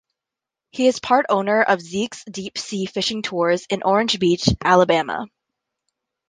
He is part owner of Zeke's Deep Sea Fishing tours in Orange Beach, Alabama.